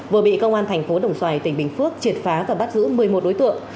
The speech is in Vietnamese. vừa bị công an thành phố đồng xoài tỉnh bình phước triệt phá và bắt giữ một mươi một đối tượng